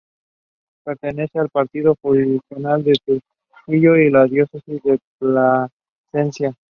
Pertenece al partido jurisdiccional de Trujillo y a la Diócesis de Plasencia.